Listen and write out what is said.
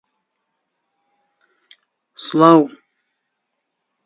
هەر هەیدیشی لێ دەکردین: